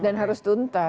dan harus tuntas